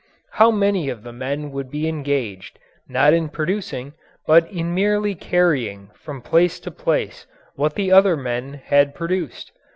How many of the men would be engaged, not in producing, but in merely carrying from place to place what the other men had produced?